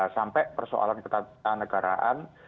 sampai persoalan ketatanegaraan